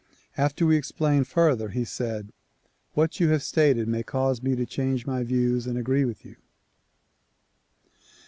'' After we explained further he said "What you have stated may cause me to change my views and agree with you."